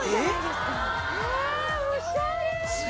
おしゃれ！